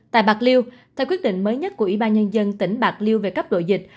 tại bạc liêu theo quyết định mới nhất của ủy ban nhân dân tỉnh bạc liêu về cấp độ dịch